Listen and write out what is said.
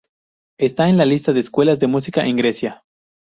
Está en la lista de escuelas de música en Grecia.